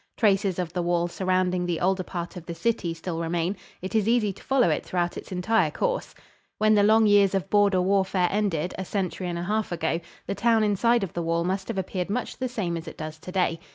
Traces of the wall surrounding the older part of the city still remain; it is easy to follow it throughout its entire course. When the long years of border warfare ended, a century and a half ago, the town inside of the wall must have appeared much the same as it does today.